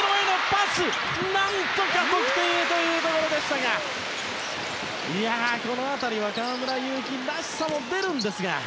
何とか得点へというところでしたがこの辺りは河村勇輝らしさも出るんですが。